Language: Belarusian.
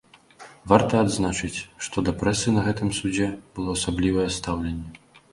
Варта адзначыць, што да прэсы на гэтым судзе было асаблівае стаўленне.